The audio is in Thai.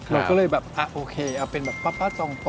เราก็เลยแบบอ่ะโอเคเอาเป็นแบบป้าป้าจองโต๊ะ